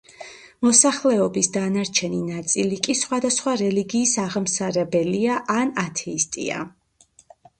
მოსახლეობის დანარჩენი ნაწილი კი სხვადასხვა რელიგიის აღმსარებელია ან ათეისტია.